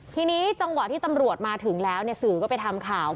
ทีนี้จังหวะที่ตำรวจมาถึงแล้วสื่อก็ไปทำข่าว